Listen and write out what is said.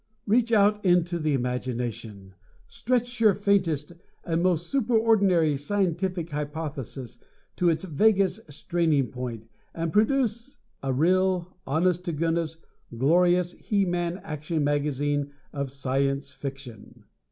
Reach out into the imagination, stretch your faintest and most super ordinary scientific hypothesis to its vaguest straining point, and produce A real, honest to goodness, glorious he man action magazine of Science Fiction!